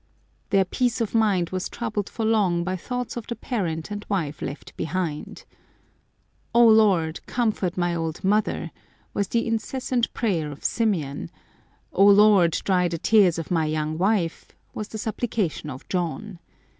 Their peace of mind was troubled for long by thoughts of the parent and wife left behind. "O Lord, comfort my old mother," was the incessant prayer of Symeon ;" O Lord, dry the tears of my young wife," was the supplication of John.